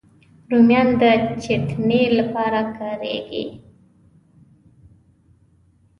رومیان د چټني لپاره کارېږي